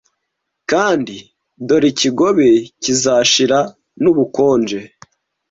Kandi, dore ikigobe kizashira, n'ubukonje